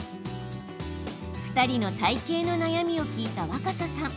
２人の体形の悩みを聞いた若狭さん。